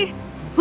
aku tidak tahu